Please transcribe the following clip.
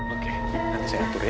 oke nanti saya atur ya